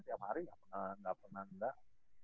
tiap hari gak pernah